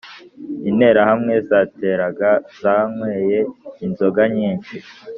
interahamwe zateraga zanyweye inzoga nyinshi